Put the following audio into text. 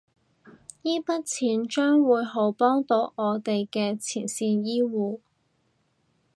依筆錢將會好幫到我哋嘅前線醫護